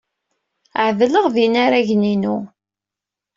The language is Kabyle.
Ɛedleɣ ed yinaragen-inu.